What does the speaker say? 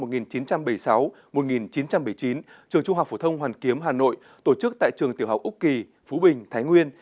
trường trung học phổ thông hoàn kiếm hà nội tổ chức tại trường tiểu học úc kỳ phú bình thái nguyên